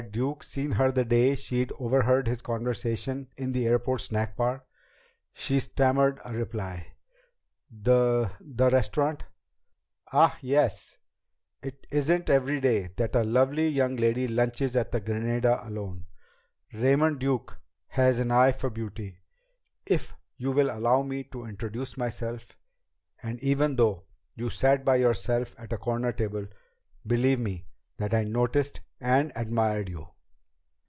Had Duke seen her the day she'd overheard his conversation in the airport snack bar? She stammered a reply: "The the restaurant?" "Ah, yes. It isn't every day that a lovely young lady lunches at the Granada alone. Raymond Duke has an eye for beauty if you will allow me to introduce myself and even though you sat by yourself at a corner table, believe me that I noticed and admired you."